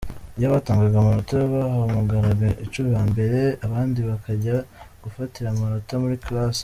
Iyo batangaga amanota bahamagara icumi ba mbere abandi bakajya gufatira amanota muri classes.